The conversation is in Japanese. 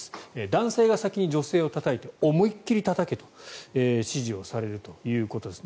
男性が先に女性をたたいて思いっ切りたたけと指示をされるということです。